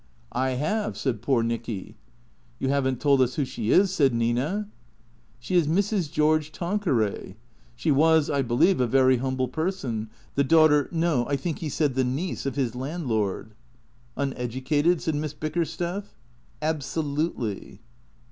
" I have," said poor Nicky. " You have n't told us who she is," said Nina. "^ She is Mrs. George Tanqueray. She was, I believe, a very humble person. The daughter — no — I think he said the niece — of his landlord." " Uneducated ?" said Miss Bickersteth. " Absolutely."